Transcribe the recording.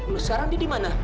sekarang dia di mana